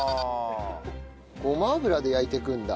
ごま油で焼いていくんだ。